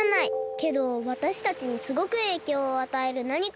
けどわたしたちにすごくえいきょうをあたえるなにか。